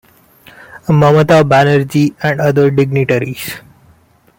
Mamata Banerjee and other dignitaries.